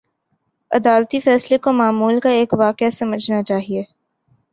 عدالتی فیصلے کو معمول کا ایک واقعہ سمجھنا چاہیے۔